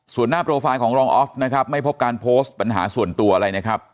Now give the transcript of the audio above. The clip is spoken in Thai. ส่วนหน้าโปรไฟล์ของรองออฟนะครับไม่พบการโพสต์ปัญหาส่วนตัวอะไรนะครับ